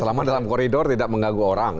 selama dalam koridor tidak mengganggu orang